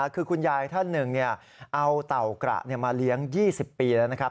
คือคุณยายท่านหนึ่งเอาเต่ากระมาเลี้ยง๒๐ปีแล้วนะครับ